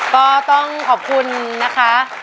ก็ต้องขอบคุณนะคะ